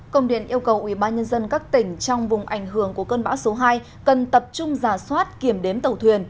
công điện yêu cầu ubnd các tỉnh trong vùng ảnh hưởng của cơn bão số hai cần tập trung giả soát kiểm đếm tàu thuyền